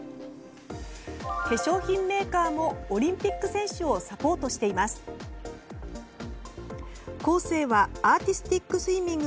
化粧品メーカーもオリンピック選手をサポートしています。